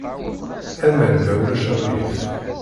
Aman, ma ulac aɣilif.